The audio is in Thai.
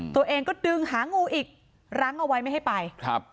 ตัวเองก็ดึงหางูอีกรั้งเอาไว้ไม่ให้ไปครับ